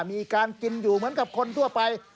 มีการกินอยู่เหมือนกับคนทั่วไป